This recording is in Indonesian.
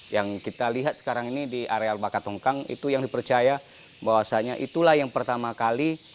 yang kita lihat sekarang ini di area al bakat tongkang itu yang dipercaya bahwasanya itulah yang pertama kali